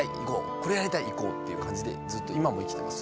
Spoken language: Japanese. これやりたい行こう！っていう感じでずっと今も生きてます。